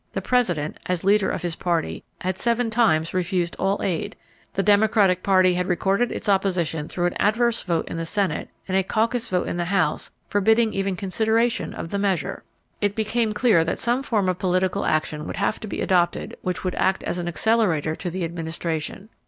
The President, as leader of his party, had seven times refused all aid; the Democratic Party had recorded its opposition through an adverse vote in the Senate and a caucus vote in the House forbidding even consideration of the measure. It became clear that some form of political action would have to be adopted which would act as an accelerator to the Administration.